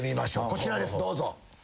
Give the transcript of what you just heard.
こちらですどうぞ。